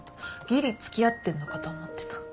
ギリ付き合ってんのかと思ってた。